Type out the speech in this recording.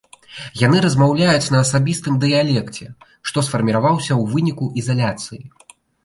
Яны размаўляюць на асабістым дыялекце, што сфарміраваўся ў выніку ізаляцыі.